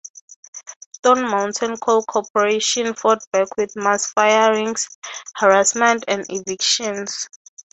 Stone Mountain Coal Corporation fought back with mass firings, harassment, and evictions.